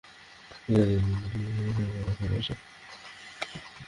ঐ নারীদের দুই-তিনজন হিরাক্লিয়াসের উভয় পাশে বসা।